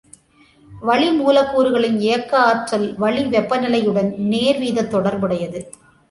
வளிமூலக் கூறுகளின் இயக்க ஆற்றல் வளி வெப்ப நிலையுடன் நேர்வீதத் தொடர்புடையது.